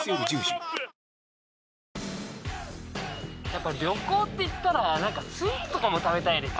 やっぱ旅行っていったら何かスイーツとかも食べたいですよね。